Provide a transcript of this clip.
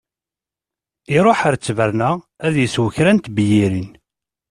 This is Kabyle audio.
Iṛuḥ ar ttberna ad d-isew kra n tebyirin.